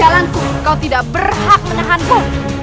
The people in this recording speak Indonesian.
akan tiada siapa yang sudah tahu